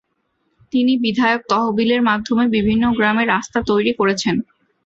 তিনি বিধায়ক তহবিলের মাধ্যমে বিভিন্ন গ্রামে রাস্তা তৈরি করেছেন।